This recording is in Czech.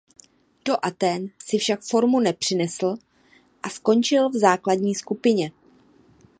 Do Athén si však formu nepřinesl a skončil v základní skupině.